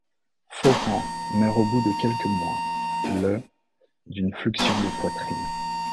Forant meurt au bout de quelques mois, le d'une fluxion de poitrine.